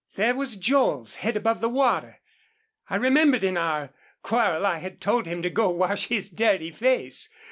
There was Joel's head above the water. I remembered in our quarrel I had told him to go wash his dirty face.